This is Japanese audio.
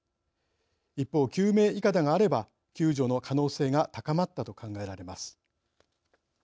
一方、救命いかだがあれば救助の可能性が高まったと考えられます。